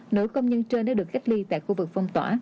nữ công nhân trên đã được cách ly tại khu vực phong tỏa